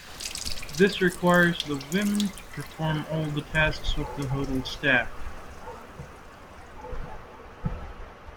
This requires the women to perform all the tasks of the hotel's staff.